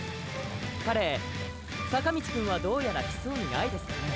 彼坂道くんはどうやら来そうにないですね。